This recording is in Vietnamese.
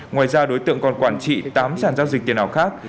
ngoài ra đối tượng còn quản trị tám sản giao dịch tiền ảo khác